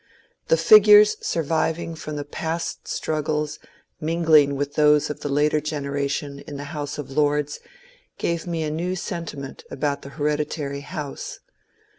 The figures surviving from the past struggles mingling with those of the later generation in the House of Lords gave me a new senti ment about the hereditary House.